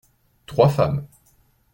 Trois femmes.